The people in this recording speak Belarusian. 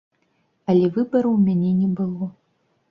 Але выбару ў мяне не было.